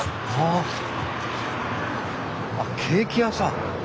あケーキ屋さん。